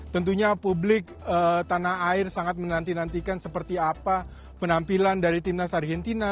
tentunya publik tanah air sangat menanti nantikan seperti apa penampilan dari timnas argentina